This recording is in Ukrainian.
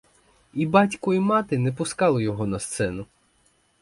І батько і мати не пускали його на сцену.